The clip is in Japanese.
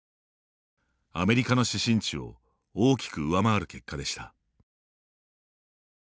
アメリカの指針値を大きく上回る結果でした。